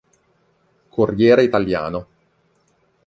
Corriere Italiano